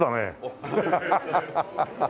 ハハハハッ。